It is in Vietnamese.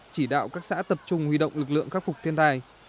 chỉ đạo các xã tập trung huy động lực lượng khắc phục thiên tai